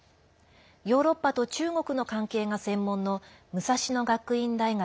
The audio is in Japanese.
ヨーロッパと中国の関係が専門の武蔵野学院大学